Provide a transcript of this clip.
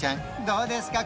どうですか？